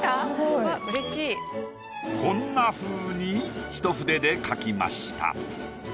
うわっこんなふうに一筆で描きました。